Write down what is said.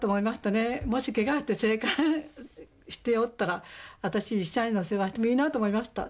もしケガをして生還しておったら私医者への世話してもいいなと思いました。